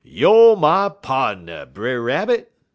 "'Youer my pardner, Brer Rabbit!'